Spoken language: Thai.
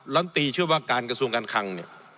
รัฐมนตรีช่วยว่าการกระทรวงการคัง